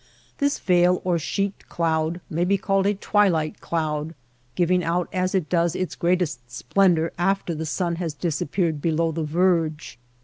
This veil or sheet cloud might be called a twilight cloud, giving out as it does its greatest splendor after the sun has disappeared below the verge.